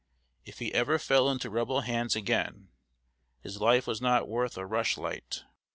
If he ever fell into Rebel hands again, his life was not worth a rush light.